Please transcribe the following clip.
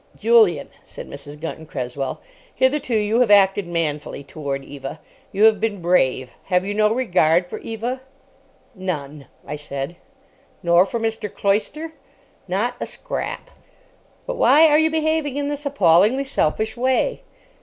"Julian," said Mrs. Gunton Cresswell, "hitherto you have acted manfully toward Eva. You have been brave. Have you no regard for Eva?" "None," I said. "Nor for Mr. Cloyster?" "Not a scrap." "But why are you behaving in this appallingly selfish way?"